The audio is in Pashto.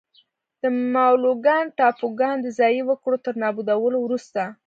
د مولوکان ټاپوګان د ځايي وګړو تر نابودولو وروسته.